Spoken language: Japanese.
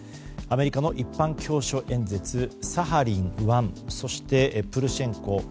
アメリカの一般教書演説サハリン１そして、プルシェンコ。